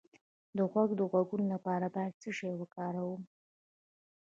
د غوږ د غږونو لپاره باید څه شی وکاروم؟